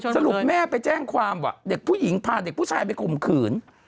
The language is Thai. สรุปแม่ไปแจ้งความว่าเด็กผู้หญิงพาเด็กผู้ชายไปข่มขืน